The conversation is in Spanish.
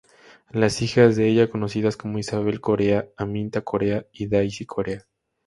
Las hijas de ella conocidas como Isabel Corea, Aminta Corea Y Daisy Corea.